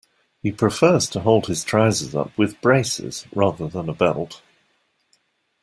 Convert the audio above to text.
He prefers to hold his trousers up with braces rather than a belt